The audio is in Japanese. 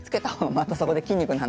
またそこで筋肉の話。